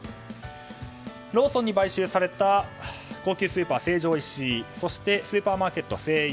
ローソンに買収された高級スーパー成城石井そしてスーパーマーケット、西友